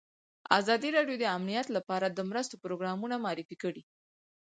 ازادي راډیو د امنیت لپاره د مرستو پروګرامونه معرفي کړي.